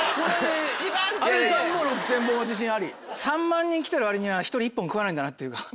３万人来てる割には１人１本食わないんだなっていうか。